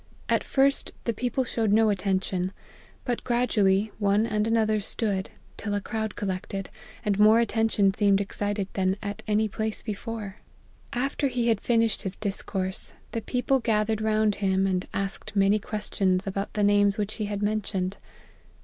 At first, the people showed no attention ; but gradually, one and ano ther stood, till a crowd collected, and more attention seemed excited than at any place before. . After APPENDIX. 209 he had finished his discourse, the people gathered round him, and asked many questions about the names which he had mentioned.